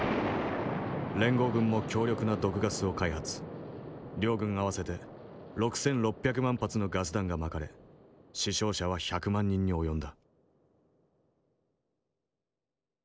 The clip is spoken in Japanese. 連合軍も強力な毒ガスを開発両軍合わせて６，６００万発のガス弾が撒かれ死傷者は１００万人に及んだ。